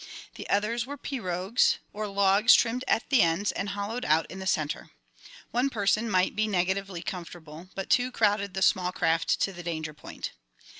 The others were pirogues, or logs trimmed at the ends and hollowed out in the centre. One person might be negatively comfortable, but two crowded the small craft to the danger point.